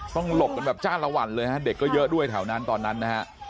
หลบกันแบบจ้านละวันเลยฮะเด็กก็เยอะด้วยแถวนั้นตอนนั้นนะฮะ